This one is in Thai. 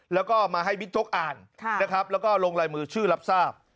แล้วก็มาให้บิ๊กโจ๊กอ่านนะครับแล้วก็ลงลายมือชื่อรับทราบ